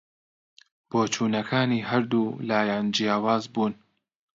بۆچوونەکانی هەردوو لایان جیاواز بوون